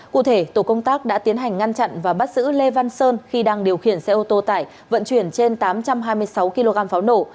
cụ thể tổ công tác đã tiến hành ngăn chặn và bắt giữ lê văn sơn khi đang điều khiển xe ô tô tải vận chuyển trên tám trăm hai mươi sáu kg pháo nổ